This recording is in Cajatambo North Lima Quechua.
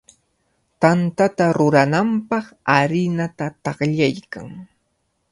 Tantata rurananpaq harinata taqllaykan.